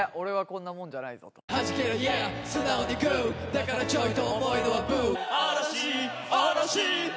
だからちょいと重いのはＢｏｏ！